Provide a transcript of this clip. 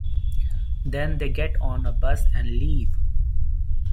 Then they get on a bus and leave.